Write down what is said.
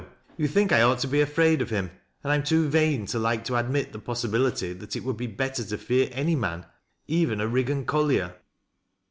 You think I ought to be afraid of him, and 1 am too vain to like to admit the possibility that it would be better to fear any man, even a Riggan collier."